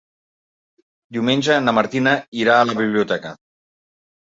Diumenge na Martina irà a la biblioteca.